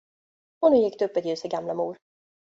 Och nu gick det upp ett ljus för gamla mor.